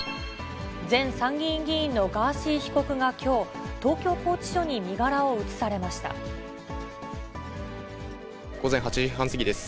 前参議院議員のガーシー被告がきょう、午前８時半過ぎです。